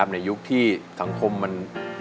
ในยุคที่สังคมมัน